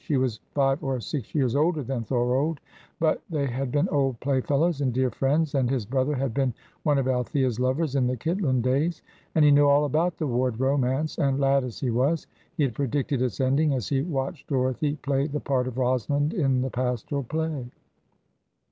She was five or six years older than Thorold, but they had been old playfellows and dear friends, and his brother had been one of Althea's lovers in the Kitlands days; and he knew all about the Ward romance, and, lad as he was, he had predicted its ending, as he watched Dorothy play the part of Rosalind in the pastoral play.